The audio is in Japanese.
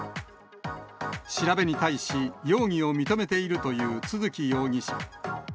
調べに対し容疑を認めているという都築容疑者。